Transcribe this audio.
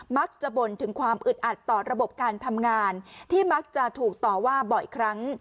บ่นถึงความอึดอัดต่อระบบการทำงานที่มักจะถูกต่อว่าบ่อยครั้ง